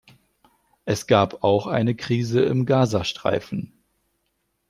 Es gab auch eine Krise im Gaza-Streifen.